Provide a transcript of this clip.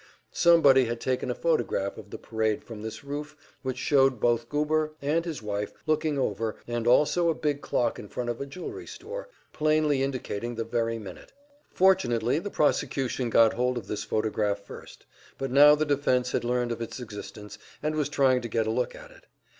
Somebody had taken a photograph of the parade from this roof, which showed both Goober and his wife looking over, and also a big clock in front of a jewelry store, plainly indicating the very minute. Fortunately the prosecution got hold of this photograph first; but now the defense had learned of its existence, and was trying to get a look at it.